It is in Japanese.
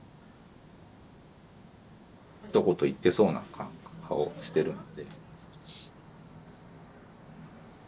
ひと言言ってそうな顔してるんで。